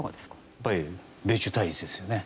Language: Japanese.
やっぱり米中対立ですよね。